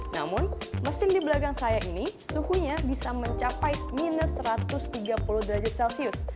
namun mesin di belakang saya ini suhunya bisa mencapai minus satu ratus tiga puluh derajat celcius